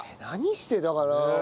何してたかな？